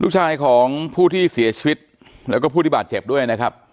ลูกชายของผู้ที่เสียชีวิตแล้วก็ผู้ที่บาดเจ็บด้วยนะครับ